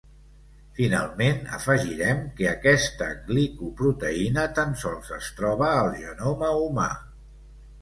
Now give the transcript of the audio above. Finalment afegirem que aquesta glicoproteïna tan sols es troba al Genoma humà.